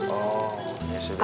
oh ya sudah